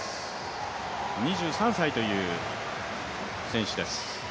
２３歳という選手です。